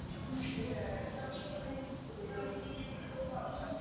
Nedaleko kaple stával i výletní hostinec a pořádaly se tu poutě.